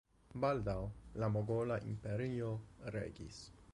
Baldaŭ la Mogola Imperio regis.